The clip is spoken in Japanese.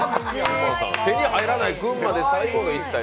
手に入らない分まで、最後の一体。